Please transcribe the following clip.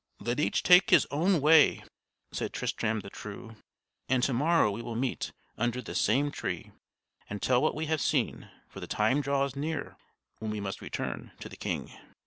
"Let each take his own way," said Tristram the True, "and to morrow we will meet, under this same tree, and tell what we have seen; for the time draws near when we must return to the king."